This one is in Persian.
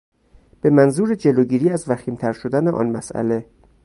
به منظور جلوگیری از وخیمتر شدن آن مسئله